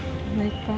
semoga setelah pulih